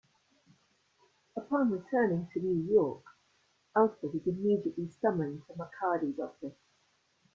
Upon returning to New York, Alfred is immediately summoned to MacHardie's office.